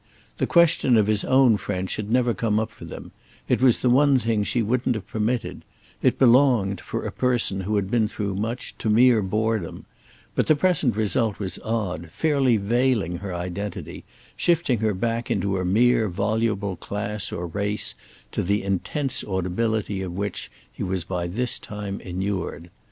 The question of his own French had never come up for them; it was the one thing she wouldn't have permitted—it belonged, for a person who had been through much, to mere boredom; but the present result was odd, fairly veiling her identity, shifting her back into a mere voluble class or race to the intense audibility of which he was by this time inured.